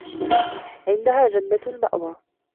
عِندَها جَنَّةُ المَأوى